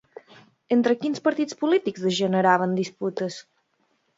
Entre quins partits polítics es generaven disputes?